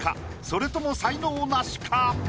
それとも才能ナシか？